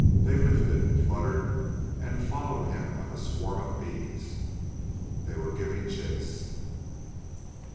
They lifted, fluttered and followed him like a swarm of bees. They were giving chase!